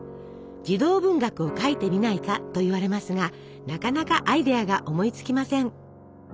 「児童文学を書いてみないか」と言われますがなかなかアイデアが思いつきません。